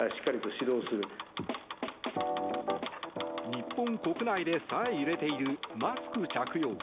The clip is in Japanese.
日本国内でさえ揺れているマスク着用。